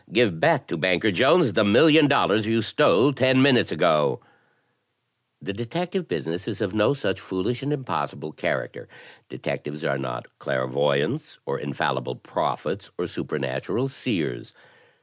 give back to Banker Jones the $1,000,000 you stole ten minutes ago !' The detect ive business is of no such foolish and impossible character. Detectives are not clairvoyants, or infallible prophets, or supernatural seers.